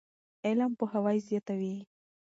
علم پوهاوی زیاتوي.